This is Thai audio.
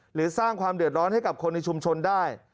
หรือสร้างความเดือดร้อนให้กับคนในชุมชนได้